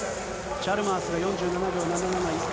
チャルマースが４７秒７７、１着。